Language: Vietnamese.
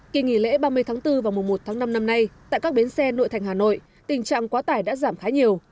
kỳ nghỉ lễ ba mươi tháng bốn và mùa một tháng năm năm nay tại các bến xe nội thành hà nội tình trạng quá tải đã giảm khá nhiều